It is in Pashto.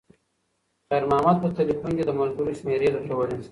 خیر محمد په تلیفون کې د ملګرو شمېرې لټولې.